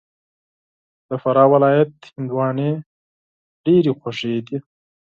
د فراه ولایت هندواڼې ډېري خوږي دي